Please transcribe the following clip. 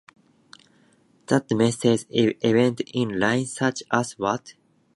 That message is evident in lines such as, What?